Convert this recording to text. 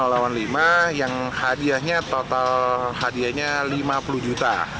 lima lawan lima yang hadiahnya total lima puluh juta